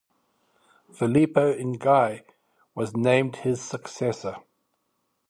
Filippo Inzaghi was named his successor.